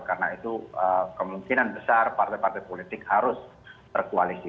karena itu kemungkinan besar partai partai politik harus berkoalisi